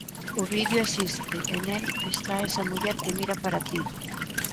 O vídeo existe, e nel está esa muller que mira para ti.